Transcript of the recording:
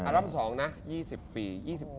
อัลบั้ม๒นะ๒๐ปี